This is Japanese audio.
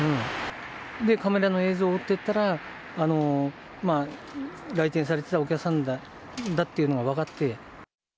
カメラの映像を追っていったら、来店されてたお客さんだっていうのが分かって。